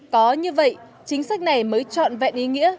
có như vậy chính sách này mới trọn vẹn ý nghĩa